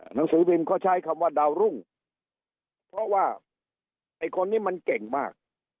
หนังสือพิมพ์เขาใช้คำว่าดาวรุ่งเพราะว่าไอ้คนนี้มันเก่งมาก